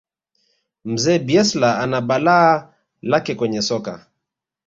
mzee bielsa ana balaa lake kwenye soka